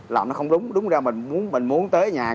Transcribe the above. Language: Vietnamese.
làm nó không đúng đúng ra mình muốn mình muốn tới nhà